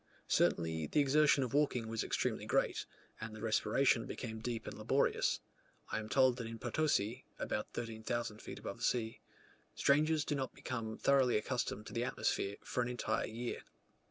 Certainly the exertion of walking was extremely great, and the respiration became deep and laborious: I am told that in Potosi (about 13,000 feet above the sea) strangers do not become thoroughly accustomed to the atmosphere for an entire year.